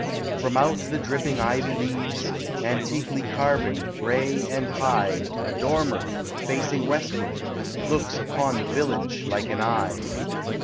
From out the dripping ivy leaves, Antiquely carven, gray and high, A dormer, facing westward, looks Upon the village like an eye.